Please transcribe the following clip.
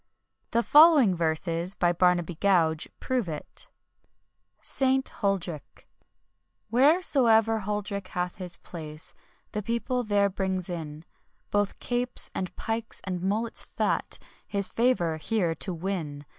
The following verses, by Barnaby Gouge prove it: ST. HULDRYCHE. "Wheresoever Huldryche hath his place, the people there brings in Both capes and pykes, and mullets fat, his favour here to win.